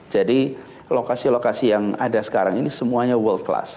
jadi lokasi lokasi yang ada sekarang ini semuanya world class